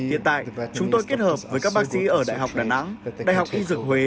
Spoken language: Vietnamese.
hiện tại chúng tôi kết hợp với các bác sĩ ở đại học đà nẵng đại học y dược huế